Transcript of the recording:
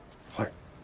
はい。